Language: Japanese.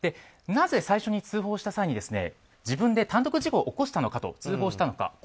なぜ最初に通報した際に自分で単独事故を起こしたと通報したのか。